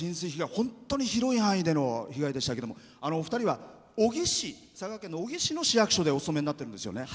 本当に広い範囲での被害でしたけど、２人は佐賀県の小城市の市役所でお勤めになっているんですよね。